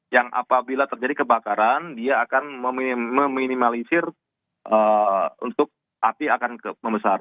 yang apabila terjadi kebakaran dia akan meminimalisir untuk api akan membesar